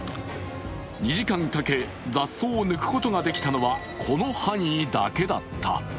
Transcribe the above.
２時間かけ、雑草を抜くことができたのは、この範囲だけだった。